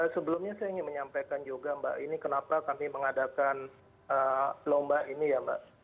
sebelumnya saya ingin menyampaikan juga mbak ini kenapa kami mengadakan lomba ini ya mbak